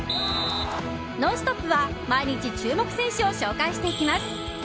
「ノンストップ！」は毎日注目選手を紹介していきます。